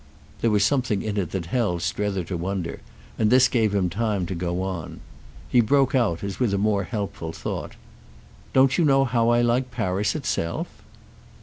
There was something in it that held Strether to wonder, and this gave him time to go on. He broke out as with a more helpful thought. "Don't you know how I like Paris itself?"